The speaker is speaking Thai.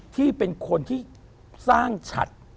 ที่เป็นคนที่สร้างฉัด